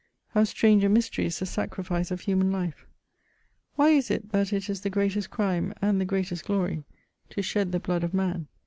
How strange a mystery is the sacrifice of human life ! Why is it that it is the greatest crime and the greatest glory, to shed the blood of man